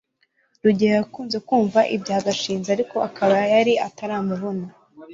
rugeyo yakunze kumva ibya gashinzi, ariko akaba yari ataramubona